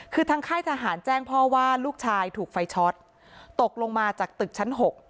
คือทางค่ายทหารแจ้งพ่อว่าลูกชายถูกไฟช็อตตกลงมาจากตึกชั้น๖